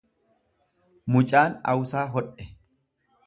Mucaan awsaa hodhe